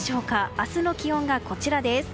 明日の気温がこちらです。